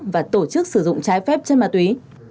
và tổ chức sử dụng trái phép chất ma túy